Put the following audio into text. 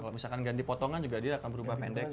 kalau misalkan ganti potongan dia juga akan berubah pendek